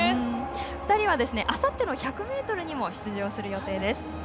２人は、あさっての１００ｍにも出場する予定です。